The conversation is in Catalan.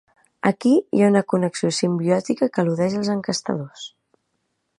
Aquí hi ha una connexió simbiòtica que eludeix els enquestadors.